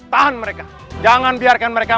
terima kasih dengan buat written men ni